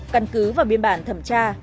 căn cứ và biên bản thẩm tra